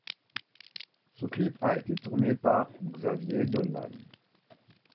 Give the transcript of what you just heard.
Ce clip a été tourné par Xavier Dolan.